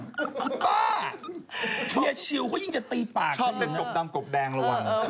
บ้าพี่เชียวก็ยิ่งจะตีปากกันชอบแต่กรบดำกรบแดงละว่า